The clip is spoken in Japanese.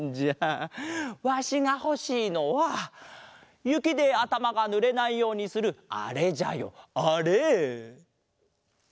わしがほしいのはゆきであたまがぬれないようにするあれじゃよあれ。